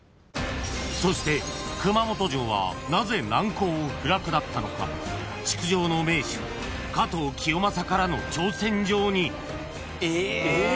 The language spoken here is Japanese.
［そして熊本城はなぜ難攻不落だったのか築城の名手加藤清正からの挑戦状に］え！